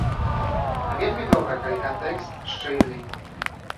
А вельмі добра, калі кантэкст шчыльны.